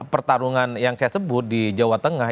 pertarungan yang saya sebut di jawa tengah